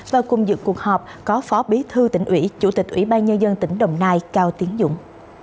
và cùng dự cuộc họp có phó bí thư tỉnh ủy chủ tịch ủy ban nhân dân tỉnh đồng nai cao tiến dũng